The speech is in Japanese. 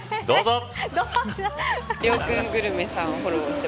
どうぞ。